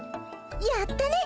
やったね！